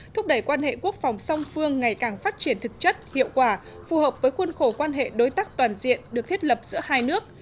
thúc đẩy quan hệ quốc phòng song phương ngày càng phát triển thực chất hiệu quả phù hợp với khuôn khổ quan hệ đối tác toàn diện được thiết lập giữa hai nước